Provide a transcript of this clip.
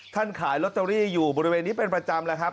ขายลอตเตอรี่อยู่บริเวณนี้เป็นประจำแล้วครับ